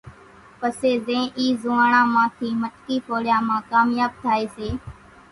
پسي زين اِي زوئاڻان مان ٿي مٽڪي ڦوڙيا مان ڪامياٻ ٿائي سي ۔